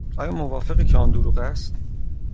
آیا موافقی که آن دروغ است؟